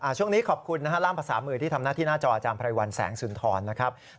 ช่วงนี้ขอบคุณนะฮะร่ามภาษามือที่ทำหน้าที่หน้าจออาจารย์ไพรวัลแสงสุนทรนะครับ